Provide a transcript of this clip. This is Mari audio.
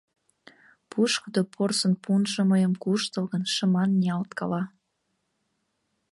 Пушкыдо порсын пунжо мыйым куштылгын, шыман ниялткала.